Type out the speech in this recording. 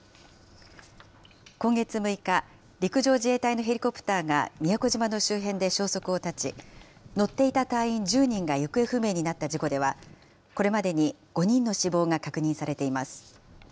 今月６日、陸上自衛隊のヘリコプターが宮古島の周辺で消息を絶ち、乗っていた隊員１０人が行方不明になった事故では、これまでに５人の死亡が確認されています。